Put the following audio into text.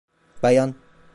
Bayan!